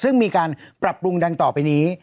ซึ่งมีการปรับปรุงดังต่อไปนี้